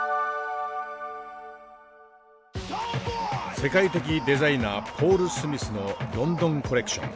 世界的デザイナーポール・スミスのロンドンコレクション。